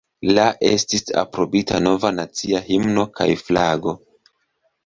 La estis aprobita nova nacia himno kaj flago.